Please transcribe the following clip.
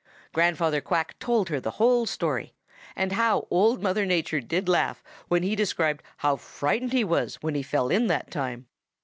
"Grandfather Quack told her the whole story and how Old Mother Nature did laugh when he described how frightened he was when he fell in that time.